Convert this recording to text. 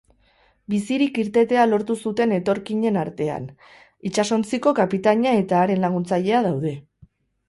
Bizirik irtetea lortu zuten etorkinen artean, itsasontziko kapitaina eta haren laguntzailea daude.